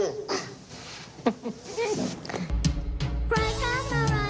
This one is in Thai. นี่ค่ะ